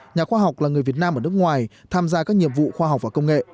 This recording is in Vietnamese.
nhà khoa học là người việt nam ở nước ngoài tham gia các nhiệm vụ khoa học và công nghệ